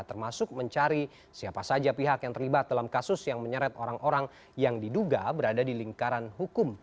termasuk mencari siapa saja pihak yang terlibat dalam kasus yang menyeret orang orang yang diduga berada di lingkaran hukum